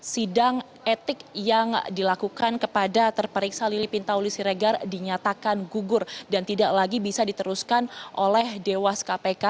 sidang etik yang dilakukan kepada terperiksa lili pintauli siregar dinyatakan gugur dan tidak lagi bisa diteruskan oleh dewas kpk